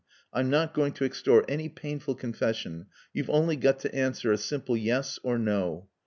I'm not going to extort any painful confession. You've only got to answer a simple Yes or No.